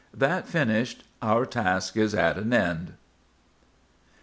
That finished, our task is at an end.